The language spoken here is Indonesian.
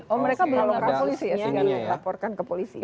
oh mereka belum laporkan ke polisi ya